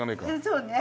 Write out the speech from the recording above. そうね。